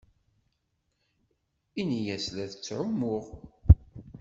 Ini-as la ttɛumuɣ.